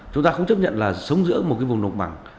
chúng ta không chấp nhận là sống giữa một cái vùng đồng bằng